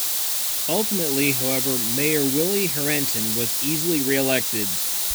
Ultimately, however, Mayor Willie Herenton was easily reelected.